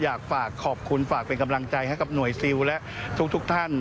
อยากฝากขอบคุณฝากเป็นกำลังใจให้กับหน่วยซิลและทุกท่าน